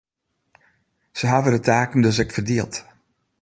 Sy hawwe de taken dus ek ferdield.